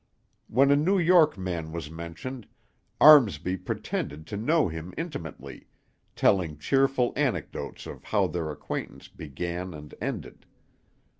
When a New York man was mentioned, Armsby pretended to know him intimately, telling cheerful anecdotes of how their acquaintance began and ended.